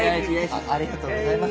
ありがとうございます。